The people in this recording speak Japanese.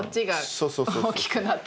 そうそうそう。